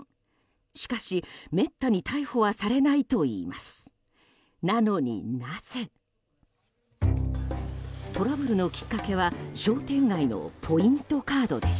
しかし、めったに逮捕はされないといいます。